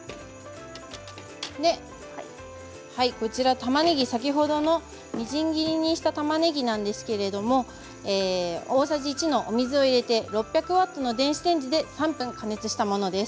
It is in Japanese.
たまねぎ先ほどのみじん切りにしたたまねぎなんですけれども大さじ１のお水を入れて６００ワットの電子レンジで３分加熱したものです。